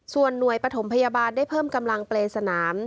ส่วนหน่วยปฐมพยาบาลได้เพิ่มกำลังเปรย์สนาม